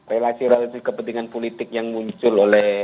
relasi relasi kepentingan politik yang muncul oleh